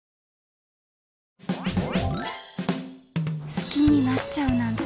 好きになっちゃうなんて。